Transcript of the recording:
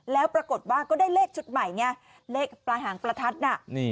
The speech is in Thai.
แล้วปรากฏว่าก็ได้เลขชุดใหม่ไงเลขปลายหางประทัดน่ะ